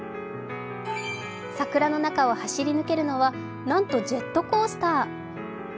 桜の中を走り抜けるのは、なんとジェットコースター。